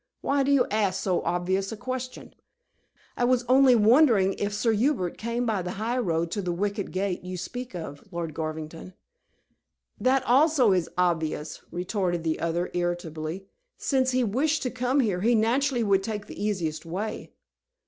Why do you ask so obvious a question?" "I was only wondering if Sir Hubert came by the high road to the wicket gate you speak of, Lord Garvington." "That also is obvious," retorted the other, irritably. "Since he wished to come here, he naturally would take the easiest way."